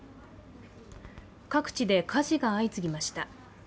各地で火事が相次ぎました。